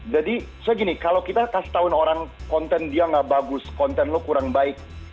jadi saya gini kalau kita kasih tauin orang konten dia gak bagus konten lo kurang baik